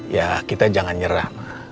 ya kita jangan nyerah